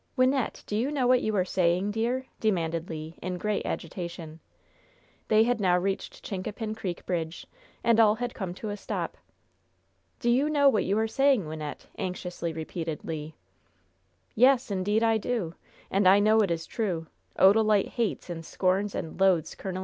"Wynnette, do you know what you are saying, dear?" demanded Le, in great agitation. They had now reached Chincapin Creek bridge, and all had come to a stop. "Do you know what you are saying, Wynnette?" anxiously repeated Le. "Yes, indeed I do. And I know it is true. Odalite hates and scorns and loathes Col.